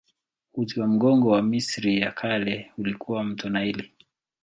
Uti wa mgongo wa Misri ya Kale ulikuwa mto Naili.